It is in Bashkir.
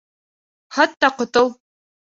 Һат та ҡотол!